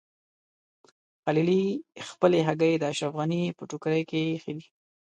خلیلي خپلې هګۍ د اشرف غني په ټوکرۍ کې ایښي دي.